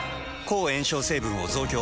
抗炎症成分を増強。